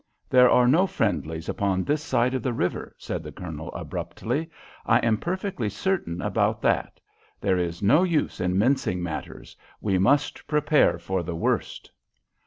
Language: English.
"There are no friendlies upon this side of the river," said the Colonel, abruptly; "I am perfectly certain about that. There is no use in mincing matters. We must prepare for the worst."